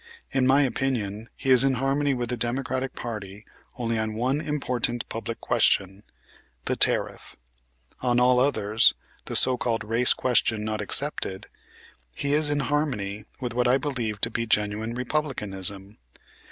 In my opinion he is in harmony with the Democratic party only on one important public question, the tariff. On all others, the so called race question not excepted, he is in harmony with what I believe to be genuine Republicanism.